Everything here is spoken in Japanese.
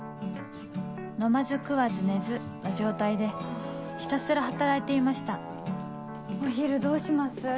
飲まず食わず寝ずの状態でひたすら働いていましたお昼どうします？